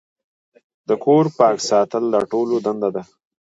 د کور پاک ساتل د ټولو دنده ده.